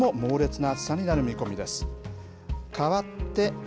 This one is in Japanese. あすも猛烈な暑さになる見込みです。